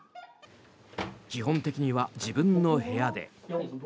基本的には自分の部屋で。